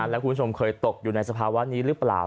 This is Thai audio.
แล้วคุณผู้ชมเคยตกอยู่ในสภาวะนี้หรือเปล่า